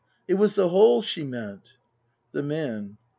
It was the whole she meant! The Man.